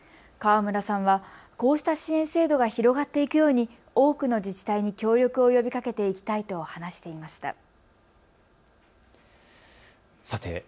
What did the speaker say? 河村さんは、こうした支援制度が広がっていくように多くの自治体に協力を呼びかけていきたいと話していました。